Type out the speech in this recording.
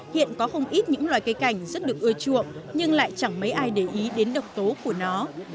hiện có không ít những loài cây cảnh rất được ưa chuộng nhưng lại chẳng mấy ai để ý đến độc tố của nó